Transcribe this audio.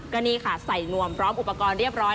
ก็นี่ค่ะใส่นวมพร้อมอุปกรณ์เรียบร้อย